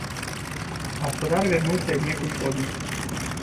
Гаспадар вярнуўся аднекуль позна.